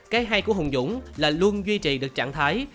cái hay của hùng dũng là luôn duy trì được trạng thái